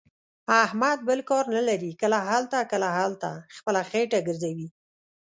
احمد بل کار نه لري. کله هلته، کله هلته، خپله خېټه ګرځوي.